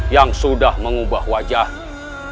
yang sudah mengubah wajahnya